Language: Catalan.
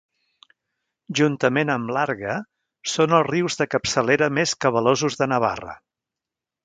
Juntament amb l'Arga són els rius de capçalera més cabalosos de Navarra.